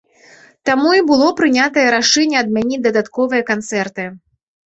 Таму і было прынятае рашэнне адмяніць дадатковыя канцэрты.